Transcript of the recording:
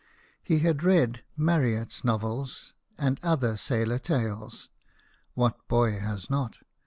He had read Marryatt's novels and other sailor tales what boy has not